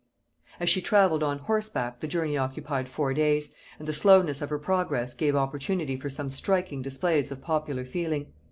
As she travelled on horseback the journey occupied four days, and the slowness of her progress gave opportunity for some striking displays of popular feeling.